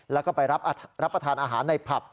แล้วก็ไปรับประทานอาหารในผับ